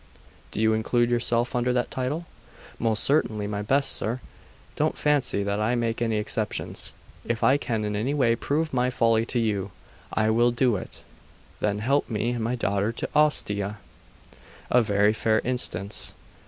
'Do you include yourself under that title?' 'Most certainly, my best sir. Don't fancy that I make any exceptions. If I can in any way prove my folly to you, I will do it.' 'Then help me and my daughter to Ostia.' 'A very fair instance.